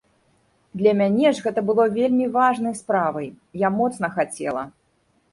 Для мяне ж гэта было вельмі важнай справай, я моцна хацела.